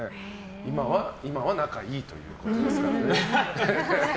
今は仲いいということですからね。